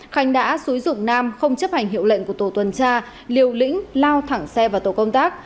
khánh đã xúi dụng nam không chấp hành hiệu lệnh của tổ tuần tra liều lĩnh lao thẳng xe vào tổ công tác